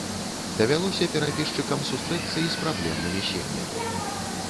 Давялося перапісчыкам сустрэцца і з праблемнымі сем'ямі.